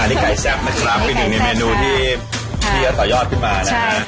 อันนี้ไก่แซ่บนะครับเป็นหนึ่งในเมนูที่จะต่อยอดขึ้นมานะฮะ